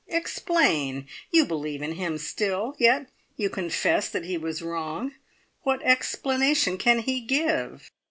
Explain! You believe in him still, yet you confess that he was wrong. What `explanation' can he give!"